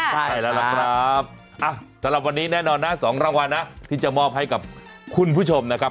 ใช่แล้วล่ะครับสำหรับวันนี้แน่นอนนะ๒รางวัลนะที่จะมอบให้กับคุณผู้ชมนะครับ